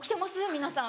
皆さん。